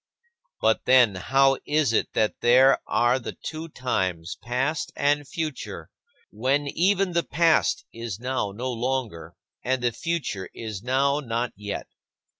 But, then, how is it that there are the two times, past and future, when even the past is now no longer and the future is now not yet?